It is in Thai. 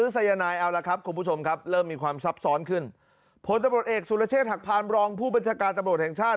สุรเชษฐกภารบรองผู้บัญชาการตำรวจแห่งชาติ